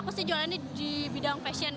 aku sih jualan di bidang fashion